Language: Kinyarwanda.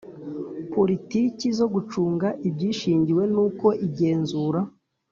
Politiki zo gucunga ibyishingiwe n’uko igenzura